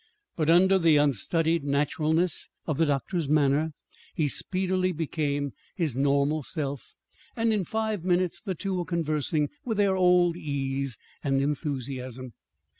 But under the unstudied naturalness of the doctor's manner, he speedily became his normal self; and in five minutes the two were conversing with their old ease and enthusiasm.